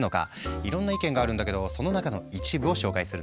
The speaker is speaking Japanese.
いろんな意見があるんだけどその中の一部を紹介するね。